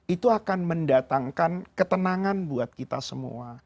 itu akan mendatangkan ketenangan buat kita semua